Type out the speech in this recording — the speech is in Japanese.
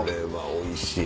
おいしい！